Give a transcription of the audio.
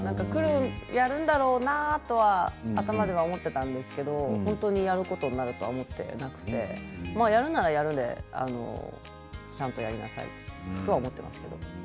やるんだろうなとは頭で思っていたんですけど本当にやることになるとは思っていなくてやるならやるでちゃんとやりなさいとは思っていますけど。